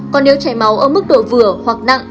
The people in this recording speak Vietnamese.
còn nếu chảy máu ở mức độ vừa hoặc nặng